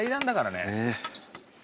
ねえ。